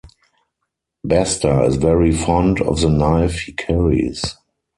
Basta is very fond of the knife he carries.